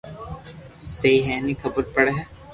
سھي ھي ني خبر پڙي ھي